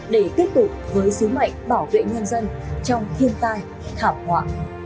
để tiếp tục với sứ mệnh bảo vệ nhân dân trong thiên tai thảm họa